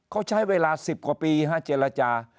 เขาใช้เวลา๑๐กว่าปีเจรจา